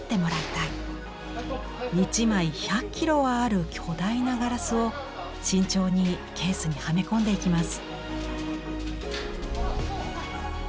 １枚１００キロはある巨大なガラスを慎重にケースにはめ込んでいきます。